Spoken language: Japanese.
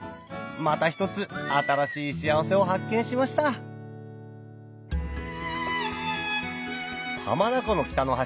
また一つ新しい幸せを発見しました浜名湖の北の端